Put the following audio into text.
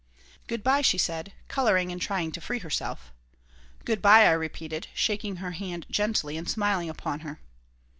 "Good by," she said, coloring and trying to free herself "Good by," I repeated, shaking her hand gently and smiling upon her.